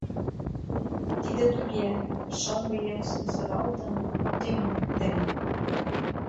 Тиде туге: шоҥго еҥ сӱмсыралтын, тӱҥын пытен.